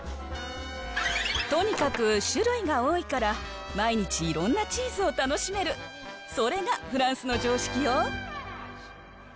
とにかく種類が多いから、毎日いろんなチーズを楽しめる、それがフランスの常識よ。